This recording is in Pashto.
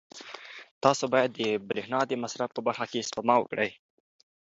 تاسو باید د برېښنا د مصرف په برخه کې سپما وکړئ.